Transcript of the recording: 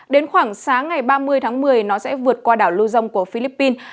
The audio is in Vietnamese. đến khoảng sáng ngày ba mươi tháng một mươi nó sẽ vượt qua đảo lưu dông của philippines